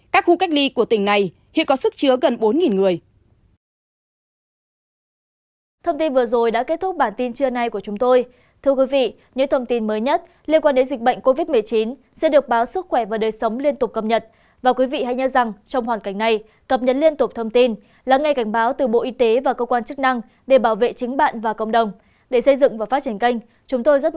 các khu cách ly của tỉnh này hiện có sức chứa gần bốn người